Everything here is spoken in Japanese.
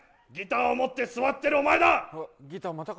ギター持って座ってるお前だ！